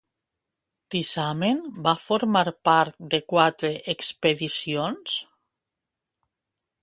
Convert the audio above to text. Tisamen va formar part de quatre expedicions?